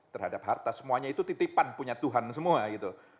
terhadap harta semuanya itu titipan punya tuhan semua gitu